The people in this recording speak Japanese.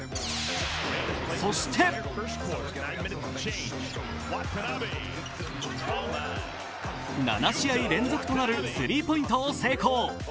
そして、７試合連続となるスリーポイントを成功。